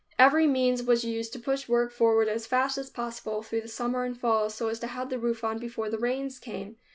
Every means was used to push work forward as fast as possible, through the summer and fall, so as to have the roof on before the rains came.